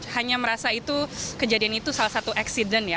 hanya merasa itu kejadian itu salah satu accident ya